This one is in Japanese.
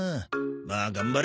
まあ頑張れ。